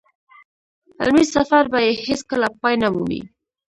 علمي سفر به يې هېڅ کله پای نه مومي.